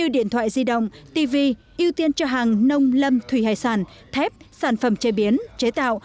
hai mươi điện thoại di động tv ưu tiên cho hàng nông lâm thủy hải sản thép sản phẩm chế biến chế tạo